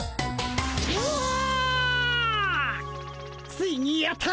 ついにやった。